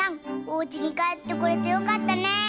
おうちにかえってこれてよかったね。